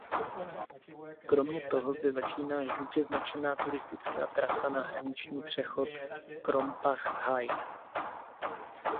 Kromě toho zde začíná žlutě značená turistická trasa na hraniční přechod Krompach–Hain.